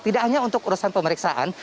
tidak hanya untuk urusan pemeriksaan